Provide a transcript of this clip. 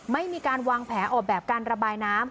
ไม่มีการวางแผลออกแบบการระบายน้ำ